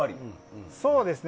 そうですね。